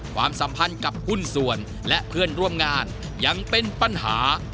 ความสัมพันธ์กับหุ้นส่วนและเพื่อนร่วมงานยังเป็นปัญหา